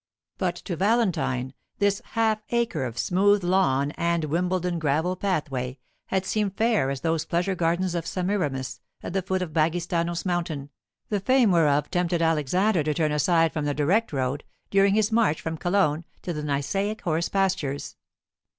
But to Valentine this half acre of smooth lawn and Wimbledon gravel pathway had seemed fair as those pleasure gardens of Semiramis, at the foot of the Bagistanos mountain, the fame whereof tempted Alexander to turn aside from the direct road, during his march from Chelone to the Nysaic horse pastures.